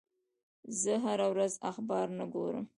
زه هره ورځ اخبار نه ګورم.